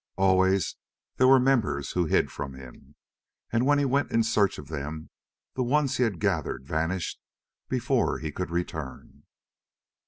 Always there were members who hid from him and when he went in search of them, the ones he had gathered vanished before he could return.